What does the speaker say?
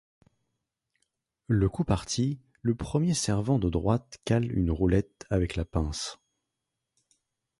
Le coup parti, le premier servant de droite cale une roulette avec la pince.